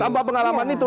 tanpa pengalaman itu